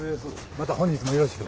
また本日もよろしく。